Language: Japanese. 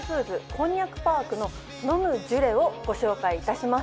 こんにゃくパークの飲むジュレをご紹介いたします。